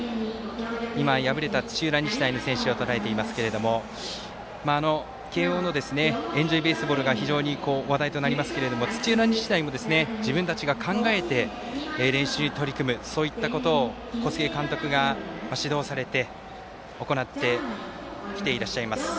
今、敗れた土浦日大の選手をとらえていますけれども慶応の「エンジョイベースボール」が話題となりましたけども土浦日大も自分たちが考えて練習に取り組むそういったことを小菅監督が指導されて行ってきてらっしゃいます。